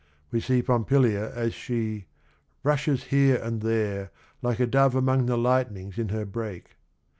We see Pompilia as she "rushes here and there Like a dove among the lightnings in her brake."